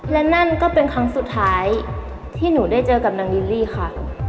และนั่นก็เป็นครั้งสุดท้ายที่หนูได้เจอกับนางลิลลี่ค่ะ